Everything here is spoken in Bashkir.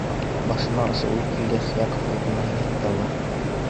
Башына ошо уй килгәс, Яков урынынан һикереп торҙо.